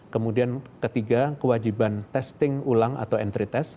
kemudian ketiga kewajiban testing ulang atau entry test